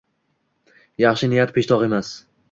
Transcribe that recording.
Yaxshi niyat – peshtoq emas.